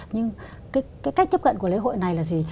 nhưng cái cách tiếp cận của lễ hội này là gì